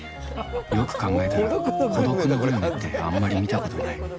よく考えたら、孤独のグルメって、あんまり見たことない。